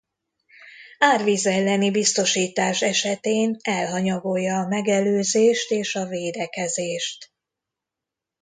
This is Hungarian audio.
Árvíz elleni biztosítás esetén elhanyagolja a megelőzést és a védekezést.